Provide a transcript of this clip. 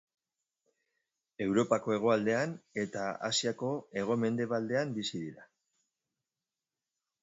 Europako hegoaldean eta Asiako hego-mendebaldean bizi dira.